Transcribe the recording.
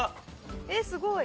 えっすごい。